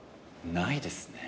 ないですね。